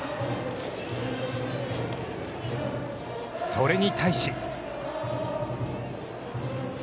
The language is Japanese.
それに対し。